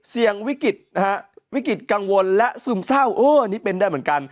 ๔เสี่ยงวิกฤตกังวลและซึมเศร้านี่เป็นได้เหมือนกัน